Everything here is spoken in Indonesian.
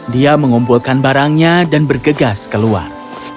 dia mengumpulkan barangnya dan bergegas keluar